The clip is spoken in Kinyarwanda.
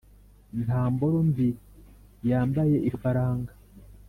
Nta mboro mbi yambaye ifaranga.